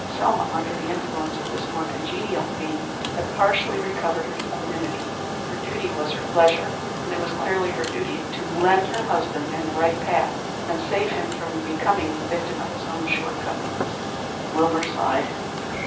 Selma under the influence of this more congenial theme had partially recovered her equanimity. Her duty was her pleasure, and it was clearly her duty to lead her husband in the right path and save him from becoming the victim of his own shortcomings. Wilbur sighed.